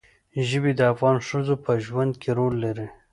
ژبې د افغان ښځو په ژوند کې رول لري.